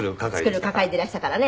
作る係でいらしたからね。